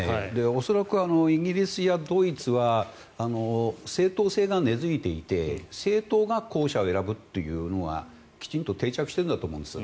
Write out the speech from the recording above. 恐らくイギリスやドイツは政党制が根付いていて政党が候補者を選ぶというのがきちんと定着していると思うんです。